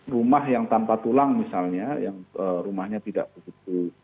rumah yang tanpa tulang misalnya yang rumahnya tidak begitu